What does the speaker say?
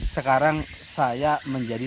sekarang saya menjadi